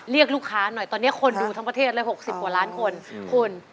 เรียกลูกค้าหน่อยตอนนี้คนดูทั้งประเทศเลย๖๐กว่าล้านคนคุณ